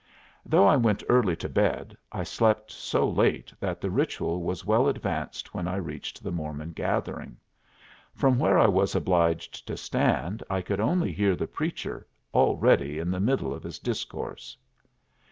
Though I went early to bed I slept so late that the ritual was well advanced when I reached the Mormon gathering. From where I was obliged to stand I could only hear the preacher, already in the middle of his discourse.